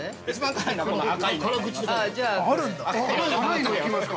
◆辛いのいけますか？